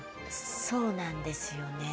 そうなんですよね。